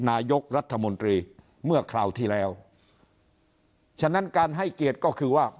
นายกรัฐมนตรีเมื่อคราวที่แล้วฉะนั้นการให้เกียรติก็คือว่า